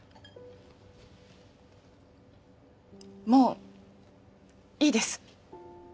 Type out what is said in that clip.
もういいです。